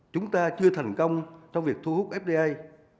chúng ta chưa thành công trong việc thu hút fdi